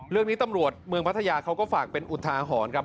เรื่องนี้ตำรวจเมืองพัทยาเขาก็ฝากเป็นอุทาหรณ์ครับ